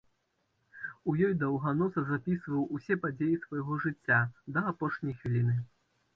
У ёй даўганосы запісваў усе падзеі свайго жыцця да апошняй хвіліны.